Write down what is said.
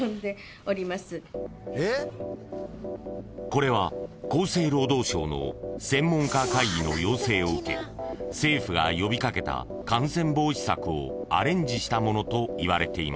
［これは厚生労働省の専門家会議の要請を受け政府が呼び掛けた感染防止策をアレンジしたものといわれています］